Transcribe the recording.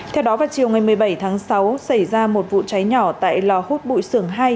theo đó vào chiều ngày một mươi bảy tháng sáu xảy ra một vụ cháy nhỏ tại lò hút bụi sưởng hai